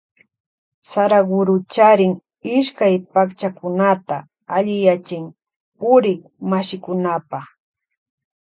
Saraguro charin ishkay pakchakunata alliyachin purikmashikunapa.